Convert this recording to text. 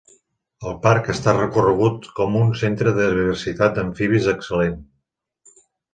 El parc està reconegut com un centre de diversitat d'amfibis excel·lent.